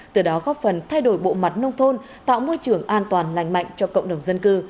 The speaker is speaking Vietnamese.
từ đó góp phần thay đổi bộ mặt nông thôn tạo môi trường an toàn lành mạnh cho cộng đồng dân cư